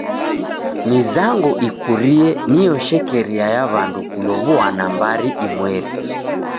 Mizango ikurie nio shekeria ya w'andu kulow'uana mbari inmweri.